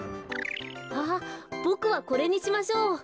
あっボクはこれにしましょう。